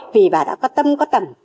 vì bà đã có tâm có tầm